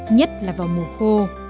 nhất là vào mùa khô